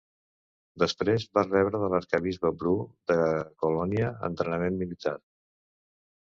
Després va rebre de l'arquebisbe Bru de Colònia entrenament militar.